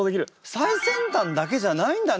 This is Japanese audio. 最先端だけじゃないんだね